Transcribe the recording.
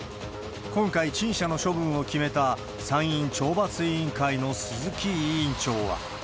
今回、陳謝の処分を決めた参院懲罰委員会の鈴木委員長は。